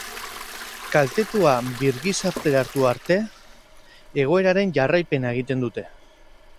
Kaltetua birgizarteratu arte, egoeraren jarraipena egiten dute.